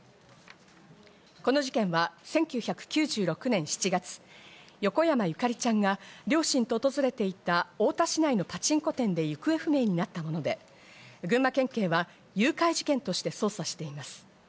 この事件は１９９６年７月、横山ゆかりちゃんが両親と訪れていた太田市内のパチンコ店で行方不明になったもので、群馬県警は誘拐事件として捜査しています。